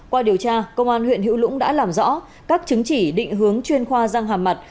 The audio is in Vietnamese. qua điều tra công an huyện hữu lũng đã làm rõ các chứng chỉ định hướng chuyên khoa răng hàm mặt